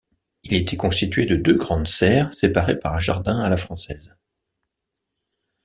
Il était constitué de deux grandes serres séparées par un jardin à la française.